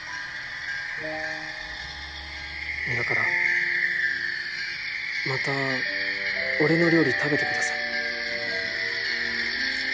だからまた俺の料理食べてください。